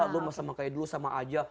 lo mau sama kayak dulu sama aja